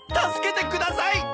助けてください！